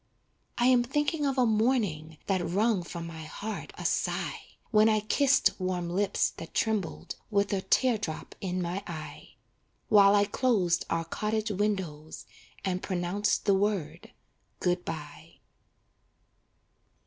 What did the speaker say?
I am thinking of a morning That wrung from my heart a sigh, When I kissed warm lips that trembled, With a tear drop in my eye; While I closed our cottage windows And pronounced the word good bye.